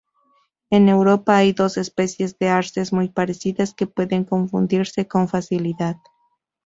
En Europa hay dos especie de arces muy parecidas que pueden confundirse con facilidad.